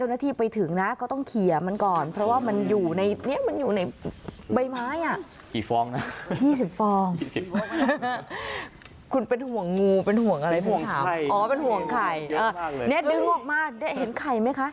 นี่ดึงออกมาได้เห็นไข่ไหมคะ